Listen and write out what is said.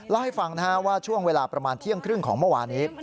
เล่าให้ฟังว่าช่วงเวลาประมาณเที่ยงครึ่งของเมื่อวานนี้